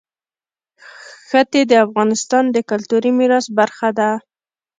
ښتې د افغانستان د کلتوري میراث برخه ده.